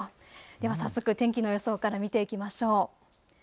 では早速、天気の予想から見ていきましょう。